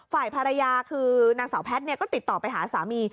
ฝ่ายภรรยาคือนางสาวแพทย์ก็ติดต่อไปหาสามี